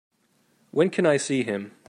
When can I see him?